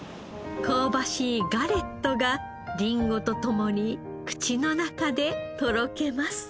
香ばしいガレットがりんごと共に口の中でとろけます。